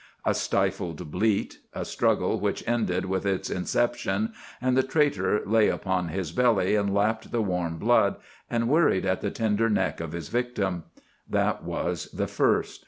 A stifled bleat; a struggle which ended with its inception, and the traitor lay upon his belly and lapped the warm blood and worried at the tender neck of his victim. That was the first.